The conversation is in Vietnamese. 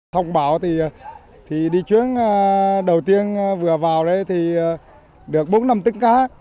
thông báo thì đi chuyến đầu tiên vừa vào đấy thì được bốn năm tính cá